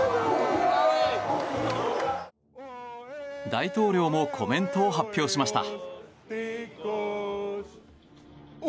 大統領もコメントを発表しました。